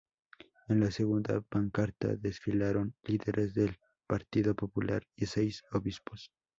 En la segunda pancarta desfilaron líderes del Partido Popular y seis obispos.